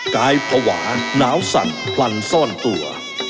กายภาวะหนาวสั่นพลันซ่อนตัว